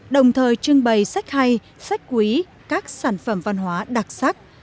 đồng thời trưng bày sách hay sách quý các sản phẩm văn hóa đặc sắc